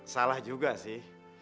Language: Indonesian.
salah juga sih